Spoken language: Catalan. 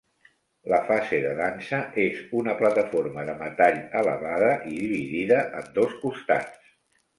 La fase de dansa és una plataforma de metall elevada i dividida en dos costats.